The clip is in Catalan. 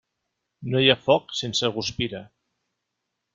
No hi ha foc sense guspira.